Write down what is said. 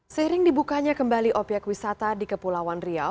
seiring dibukanya kembali obyek wisata di kepulauan riau